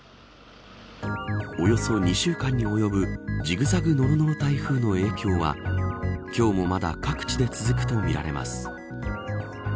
およそ２週間に及ぶじぐざぐ、のろのろ台風の影響は今日もまだ各地で続くとみられます。